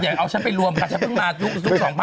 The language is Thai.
เอาฉันไปรวมกันฉันเพิ่งมายุค๒เป็น